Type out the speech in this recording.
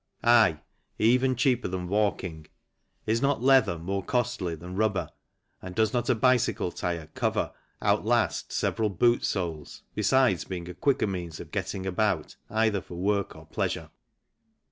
Aye, even cheaper than walking. Is not leather more costly than rubber and does not a bicycle tyre cover outlast several boot soles, besides being a quicker means of getting about, either for work or pleasure